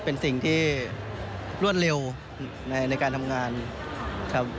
เป็นสิ่งที่รวดเร็วในการทำงานครับ